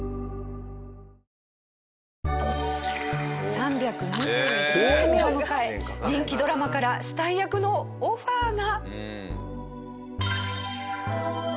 ３２１日目を迎え人気ドラマから死体役のオファーが！